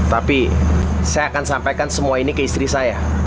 tapi saya akan sampaikan semua ini ke istri saya